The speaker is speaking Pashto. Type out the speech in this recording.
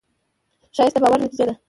ښایست د باور نتیجه ده